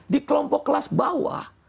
di kelompok kelas bawah